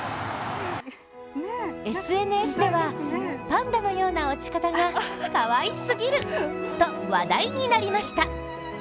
ＳＮＳではパンダのような落ち方がかわいすぎると話題になりました。